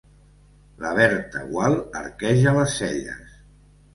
La Berta Gual arqueja les celles.